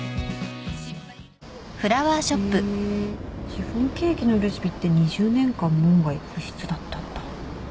シフォンケーキのレシピって２０年間門外不出だったんだ。